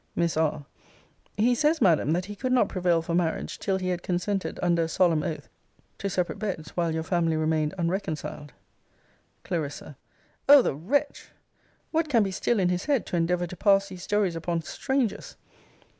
Miss R. He says, Madam, that he could not prevail for marriage, till he had consented, under a solemn oath, to separate beds, while your family remained unreconciled. Cl. O the wretch! What can be still in his head, to endeavour to pass these stories upon strangers?